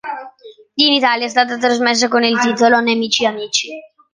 In Italia è stata trasmessa con il titolo "Nemici amici".